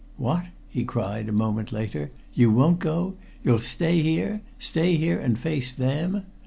What!" he cried a moment later. "You won't go? You'll stay here stay here and face them?